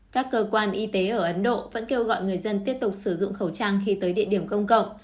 các cơ quan y tế ở ấn độ vẫn kêu gọi người dân tiếp tục sử dụng khẩu trang khi tới địa điểm công cộng